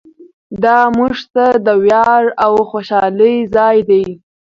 دا موږ ته د ویاړ او خوشحالۍ ځای دی.